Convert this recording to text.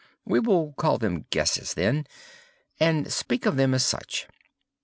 We will call them guesses then, and speak of them as such.